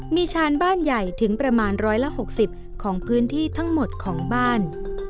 มีชานบ้านใหญ่ถึงประมาณ๑๖๐ของพื้นที่ทั้งหมดของบ้าน